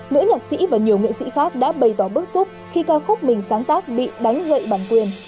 nữ nhạc sĩ và nhiều nghệ sĩ khác đã bày tỏ bức xúc khi ca khúc mình sáng tác bị đánh hệ bản quyền